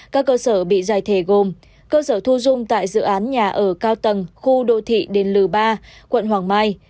các cơ sở bị giải thể gồm cơ sở thu dung tại dự án nhà ở cao tầng khu đô thị đền lừ ba quận hoàng mai